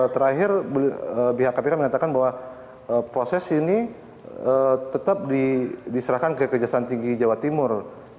terakhir pihak kpk menyatakan bahwa proses ini tetap diserahkan ke kejaksaan tinggi jawa timur